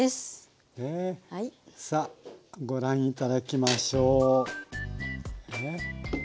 さあご覧頂きましょう。